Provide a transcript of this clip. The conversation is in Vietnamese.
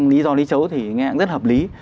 lý do lý chấu thì nghe rất hợp lý